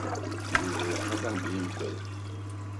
U yôgha bañ bés ñkwel.